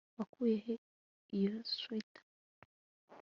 wakuye he iyo swater